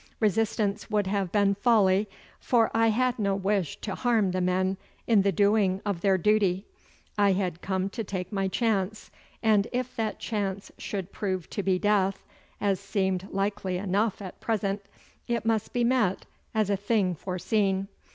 Resistance would have been folly, for I had no wish to harm the men in the doing of their duty. I had come to take my chance, and if that chance should prove to be death, as seemed likely enough at present, it must be met as a thing foreseen.